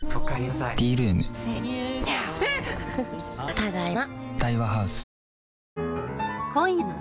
ただいま。